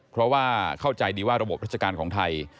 เพราะว่าเข้าใจดีว่าระบบราชการของไทย